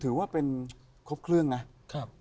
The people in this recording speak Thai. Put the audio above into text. ถือว่าเป็นครบเครื่องนะครับ